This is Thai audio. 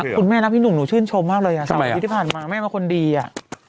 คุณแม่นะพี่หนุ่มหนูชื่นชมมากเลยอ่ะ๓ปีที่ผ่านมาแม่เป็นคนดีอ่ะ